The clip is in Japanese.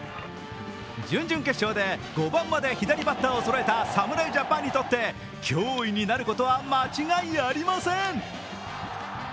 準々決勝で５番まで左バッターをそろえた侍ジャパンにとって脅威になることは間違いありません。